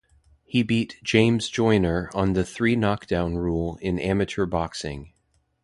He beat James Joyner on the three knockdown rule in amateur boxing.